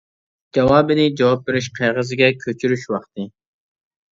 جاۋابنى جاۋاب بېرىش قەغىزىگە كۆچۈرۈش ۋاقتى.